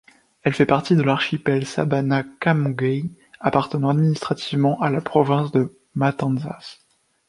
Elle fait partie de l'Archipel Sabana-Camagüey appartenant administrativement à la province de Matanzas.